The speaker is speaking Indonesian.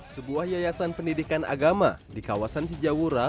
sebuah yayasan pendidikan agama di kawasan sijawura